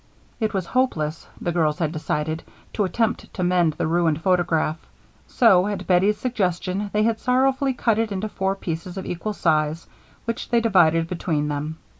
It was hopeless, the girls had decided, to attempt to mend the ruined photograph, so, at Bettie's suggestion, they had sorrowfully cut it into four pieces of equal size, which they divided between them.